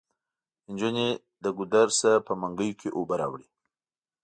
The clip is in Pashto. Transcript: انجونې له ګودر نه په منګيو کې اوبه راوړي.